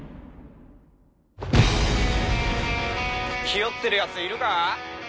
ひよってるやついるか？